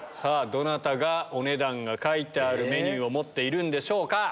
どなたがお値段が書いてあるメニューを持っているんでしょう。